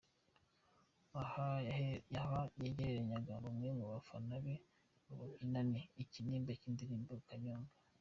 Aha yegeranyaga bamwe mu bafana be ngo babyinane ikinimba cy'indirimbo 'Ganyobwe' .